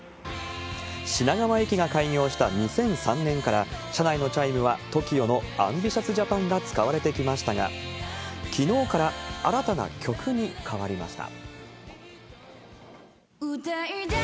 品川駅が開業した２００３年から、社内のチャイムはＴＯＫＩＯのＡＭＢＩＴＩＯＵＳＪＡＰＡＮ！が使われてきましたが、きのうから新たな曲に変わりました。